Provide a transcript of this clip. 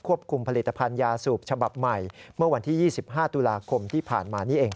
คุมผลิตภัณฑ์ยาสูบฉบับใหม่เมื่อวันที่๒๕ตุลาคมที่ผ่านมานี่เอง